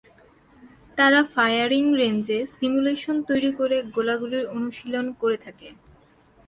তারা ফায়ারিং রেঞ্জে সিমুলেশন তৈরি করে গোলাগুলির অনুশীলন করে থাকে।